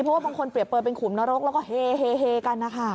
เพราะว่าบางคนเปรียบเปิดเป็นขุมนรกแล้วก็เฮกันนะคะ